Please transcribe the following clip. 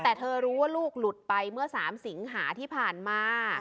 แต่เธอรู้ว่าลูกหลุดไปเมื่อ๓สิงหาที่ผ่านมา